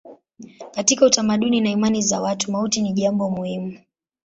Katika utamaduni na imani za watu mauti ni jambo muhimu.